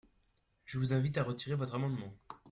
Je vous invite à retirer votre amendement.